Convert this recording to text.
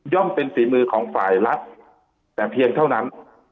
ย่อมเป็นศีลมือของฝ่ายลักษณ์แต่เพียงเท่านั้น